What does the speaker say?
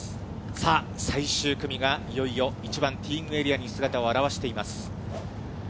さあ、最終組がいよいよ１番ティーイングエリアに姿を現しています。